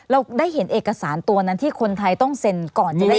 เราได้เห็นเอกสารตัวนั้นที่คนไทยต้องเซ็นก่อนจะได้